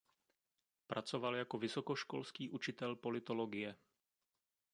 Pracoval jako vysokoškolský učitel politologie.